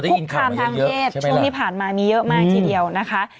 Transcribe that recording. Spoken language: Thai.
คุกคามทางเพศช่วงที่ผ่านมามีเยอะมากทีเดียวนะคะ